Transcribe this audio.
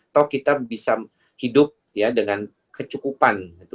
atau kita bisa hidup ya dengan kecukupan